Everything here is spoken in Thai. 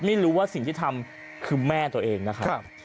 ไม่รู้ว่าสิ่งที่ทำคือแม่ตัวเองนะครับ